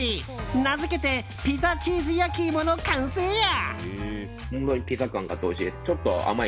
名付けてピザチーズ焼き芋の完成や。